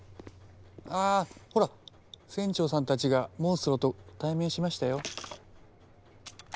あほら船長さんたちがモンストロと対面しましたよ。